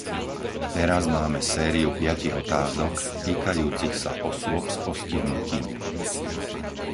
Teraz máme sériu piatich otázok, týkajúcich sa osôb s postihnutím.